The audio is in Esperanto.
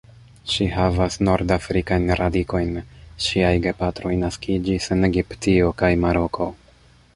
Ŝi havas nord-afrikajn radikojn; ŝiaj gepatroj naskiĝis en Egiptio kaj Maroko.